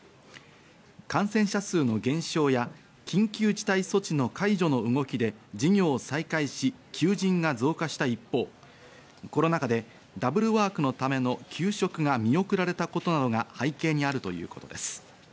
感染者数の減少や緊急事態措置の解除の動きで事業を再開し、求人が増加した一方、コロナ禍でダブルワークのための求職が見送られたことなどが背景にあるということです。